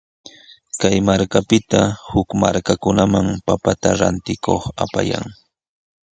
Kay markapita huk markakunaman papata rantikuq apayan.